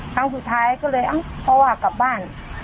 ครั้งสุดท้ายก็เลยเอ้าเพราะว่ากลับบ้าน